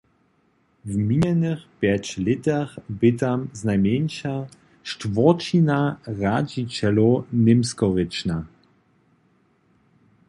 W minjenych pjeć lětach bě tam znajmjeńša štwórćina radźićelow němskorěčna.